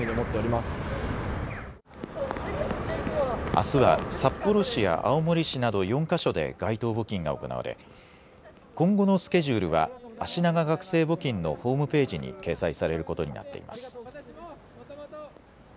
あすは札幌市や青森市など４か所で街頭募金が行われ今後のスケジュールはあしなが学生募金のホームページに掲載されることになっています。